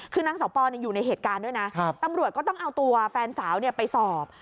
คือนางสาวปออยู่ในเหตุการณ์ด้วยนะตำรวจก็ต้องเอาตัวแฟนสาวไปสอบ